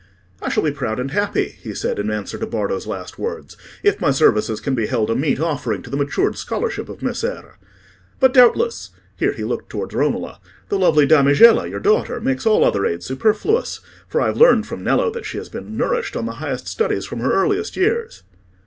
"I shall be proud and happy," he said, in answer to Bardo's last words, "if my services can be held a meet offering to the matured scholarship of Messere. But doubtless,"—here he looked towards Romola—"the lovely damigella, your daughter, makes all other aid superfluous; for I have learned from Nello that she has been nourished on the highest studies from her earliest years."